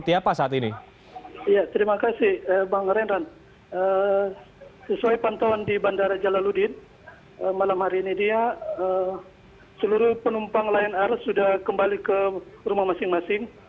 malam hari ini dia seluruh penumpang lion air sudah kembali ke rumah masing masing